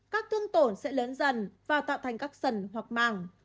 các thương tổn sẽ lớn dần và tạo thành các sần hoặc màng